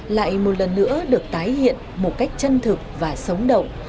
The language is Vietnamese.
lại một lần nữa được tái hiện một cách chân thực và sống động